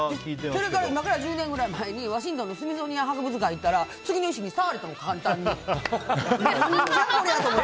それから今から１０年前ぐらいにワシントンのスミソニアン博物館に行ったら月の石に触れたの、簡単に。